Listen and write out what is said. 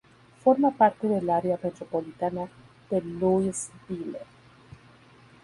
Forma parte del área metropolitana de Louisville.